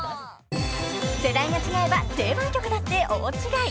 ［世代が違えば定番曲だって大違い］